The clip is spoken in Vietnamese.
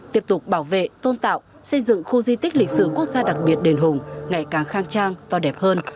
tiếp tục bảo vệ tôn tạo xây dựng khu di tích lịch sử quốc gia đặc biệt đền hùng ngày càng khang trang to đẹp hơn